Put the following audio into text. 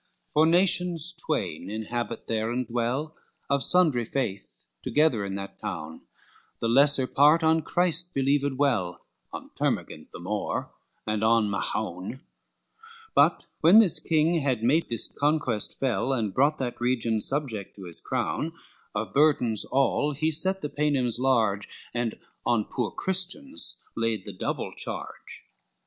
LXXXIV For nations twain inhabit there and dwell Of sundry faith together in that town, The lesser part on Christ believed well, On Termagent the more and on Mahown, But when this king had made this conquest fell, And brought that region subject to his crown, Of burdens all he set the Paynims large, And on poor Christians laid the double charge.